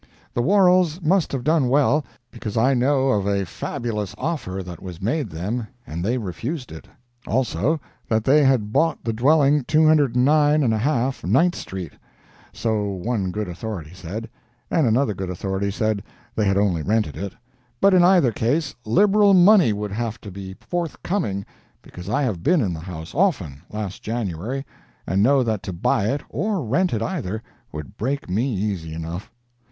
The Worrels must have done well, because I know of a fabulous offer that was made them and they refused it. Also, that they had bought the dwelling 209 1/2 Ninth street—so one good authority said, and another good authority said they had only rented it—but in either case liberal money would have to be forthcoming, because I have been in the house often, last January, and know that to buy it or rent it either would break me easy enough.